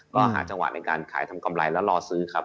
ก็หาจังหวะในการขายทำกำไรแล้วรอซื้อครับ